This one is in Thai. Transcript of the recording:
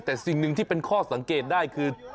แต่สิ่งหนึ่งที่เป็นข้อสังเกตได้คือ